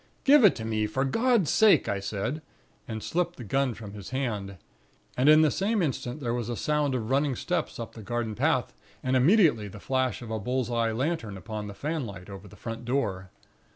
"'Give it to me, for God's sake!' I said, and slipped the gun from his hand; and in the same instant there was a sound of running steps up the garden path, and immediately the flash of a bull's eye lantern upon the fan light over the front door.